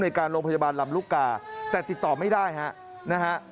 การโรงพยาบาลลำลูกกาแต่ติดต่อไม่ได้ฮะนะฮะ